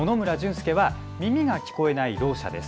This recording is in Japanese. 介は耳が聞こえない、ろう者です。